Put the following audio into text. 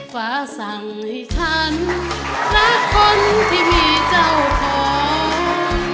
ฟ้าสั่งให้ฉันรักคนที่มีเจ้าของ